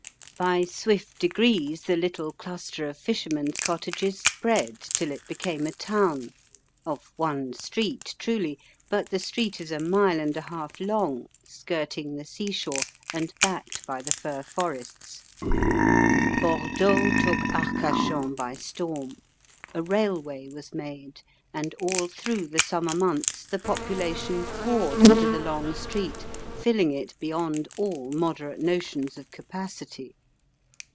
By swift degrees the little cluster of fishermen's cottages spread till it became a town of one street truly, but the street is a mile and a half long, skirting the seashore and backed by the fir forests. Bordeaux took Arcachon by storm. A railway was made, and all through the summer months the population poured into the long street, filling it beyond all moderate notions of capacity.